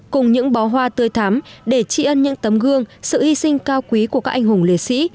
cùng những bó hoa tươi thắm để trị ân những tấm gương sự hy sinh cao quý của các anh hùng liệt sĩ